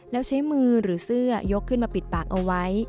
แล้วใช้มือหรือเสื้อยกขึ้นมาปิดปากเอาไว้